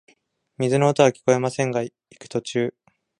水の音はきこえませんが、行く途中、